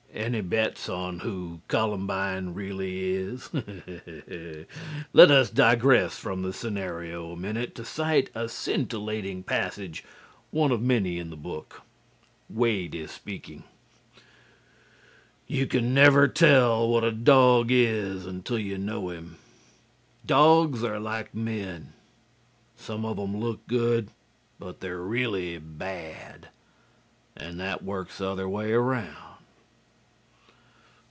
Any bets on who Columbine really is? Let us digress from the scenario a minute to cite a scintillating passage, one of many in the book. Wade is speaking: "'You can never tell what a dog is until you know him. Dogs are like men. Some of 'em look good, but they're really bad. An' that works the other way round.'"